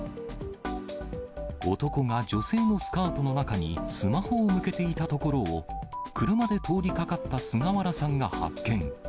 男が女性のスカートの中にスマホを向けていたところを、車で通りかかった菅原さんが発見。